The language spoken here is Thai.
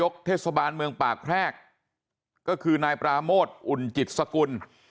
เทศบาลเมืองปากแพรกก็คือนายปราโมทอุ่นจิตสกุล